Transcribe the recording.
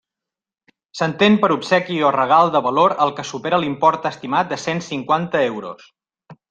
S'entén per obsequi o regal de valor el que supera l'import estimat de cent cinquanta euros.